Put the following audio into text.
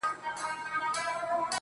o گرانه دا اوس ستا د ځوانۍ په خاطر.